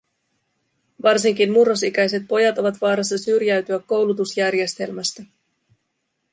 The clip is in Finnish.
Varsinkin murrosikäiset pojat ovat vaarassa syrjäytyä koulutusjärjestelmästä.